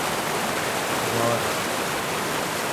وا رۂ